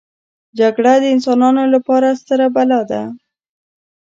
جګړه د انسانانو لپاره ستره بلا ده